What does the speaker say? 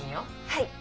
はい。